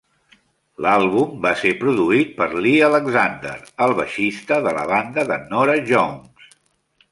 L'àlbum va ser produït per Lee Alexander, el baixista de la banda de Norah Jones.